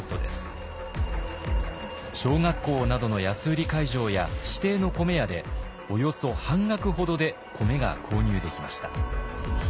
小学校などの安売り会場や指定の米屋でおよそ半額ほどで米が購入できました。